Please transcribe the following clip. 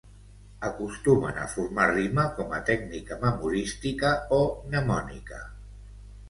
Acostumen a formar rima com a tècnica memorística o mnemònica.